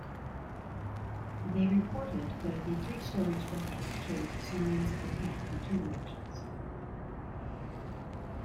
They reported that the three-story structure shows signs of attack from two directions.